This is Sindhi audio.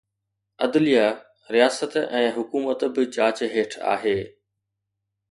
عدليه، رياست ۽ حڪومت به جاچ هيٺ آهي.